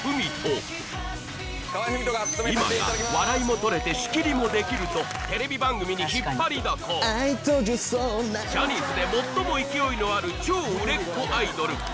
今や笑いもとれて仕切りもできるとテレビ番組にひっぱりだこジャニーズで最も勢いのある超売れっ子アイドル